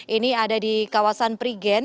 ini ada di kawasan prigen